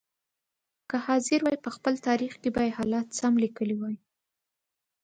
که حاضر وای په خپل تاریخ کې به یې حالات سم لیکلي وای.